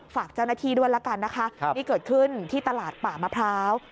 ฝากเจ้าหน้าที่ด้วยละกันนะคะนี่เกิดขึ้นที่ตลาดป่ามะพร้าว